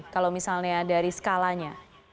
kalau misalnya dari skalanya